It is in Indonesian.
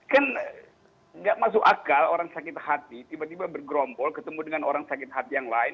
kan nggak masuk akal orang sakit hati tiba tiba bergerombol ketemu dengan orang sakit hati yang lain